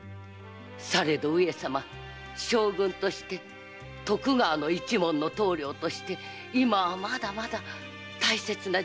されど上様将軍として徳川の一門の頭領として今はまだ大切な時期でございましょう。